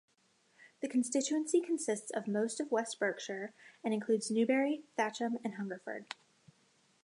The constituency consists of most of West Berkshire and includes Newbury, Thatcham and Hungerford.